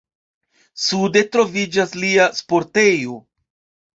Sude troviĝas lia sportejo.